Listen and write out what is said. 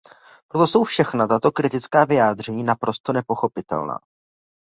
Proto jsou všechna tato kritická vyjádření naprosto nepochopitelná.